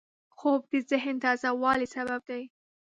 خوب د ذهن تازه والي سبب دی